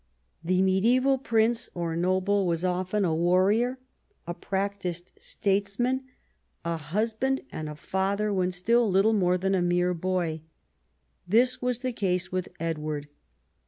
The mediaeval prince or noble was often a warrior, a practised statesman, a husband and a father when still little more than a mere boy. This was the case with Edward.